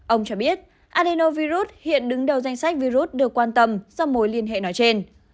ông cho biết adenovirus hiện đứng đầu danh sách virus được quan tâm do mối liên hệ nói trên